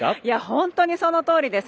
本当にそのとおりです。